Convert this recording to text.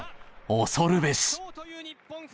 恐るべし。